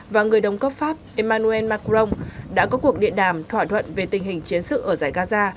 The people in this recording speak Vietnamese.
và người đồng cấp pháp emmanuel macron đã có cuộc điện đàm thỏa thuận về tình hình chiến sự ở giải gaza